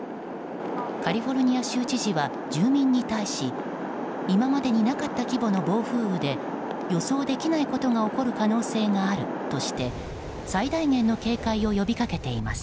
カリフォルニア州知事は住民に対し今までになかった規模の暴風雨で予想できないことが起こる可能性があるとして最大限の警戒を呼びかけています。